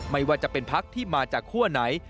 ไม่ว่าจะเป็นพักที่มาจากคั่วไหน